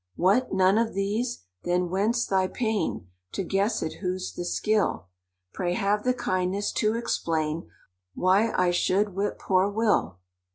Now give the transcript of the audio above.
"What, none of these?—Then, whence thy pain, To guess it who's the skill? Pray have the kindness to explain Why I should whip poor Will?